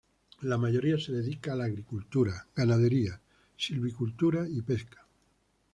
La mayoría se dedica a la agricultura, ganadería, silvicultura y pesca.